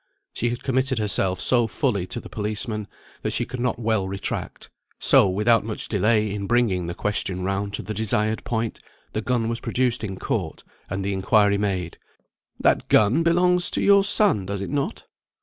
She had committed herself so fully to the policeman, that she could not well retract; so without much delay in bringing the question round to the desired point, the gun was produced in court, and the inquiry made "That gun belongs to your son, does it not?"